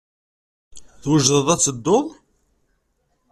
Twejdeḍ ad tedduḍ?